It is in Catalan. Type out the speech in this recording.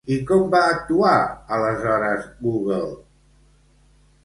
I com va actuar, aleshores, Google?